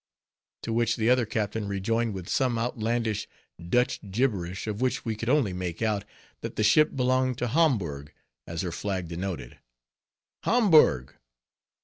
_ To which the other captain rejoined with some outlandish Dutch gibberish, of which we could only make out, that the ship belonged to Hamburg, as her flag denoted. _Hamburg!